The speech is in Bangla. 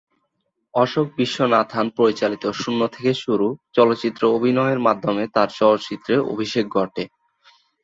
অশোক বিশ্বনাথন পরিচালিত শূন্য থেকে শুরু চলচ্চিত্রে অভিনয়ের মাধ্যমে তার চলচ্চিত্রে অভিষেক ঘটে।